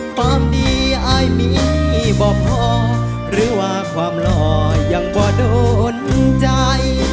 ความดีอายมีบ่พอหรือว่าความหล่อยังบ่โดนใจ